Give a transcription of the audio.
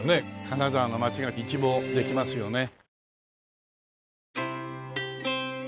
金沢の街が一望できますよね。